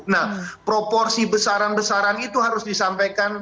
nah proporsi besaran besaran itu harus disampaikan